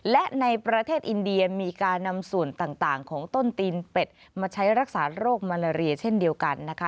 และในประเทศอินเดียมีการนำส่วนต่างของต้นตีนเป็ดมาใช้รักษาโรคมาลาเรียเช่นเดียวกันนะคะ